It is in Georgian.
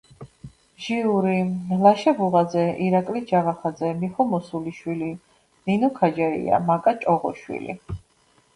ჟიური: ლაშა ბუღაძე, ირაკლი ჯავახაძე, მიხო მოსულიშვილი, ნინო ქაჯაია, მაკა ჭოღოშვილი.